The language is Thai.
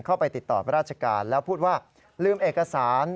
เข้าไปติดต่อราชการแล้วพูดว่าลืมเอกสาร